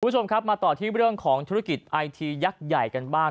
คุณผู้ชมครับมาต่อที่เรื่องของธุรกิจไอทียักษ์ใหญ่กันบ้าง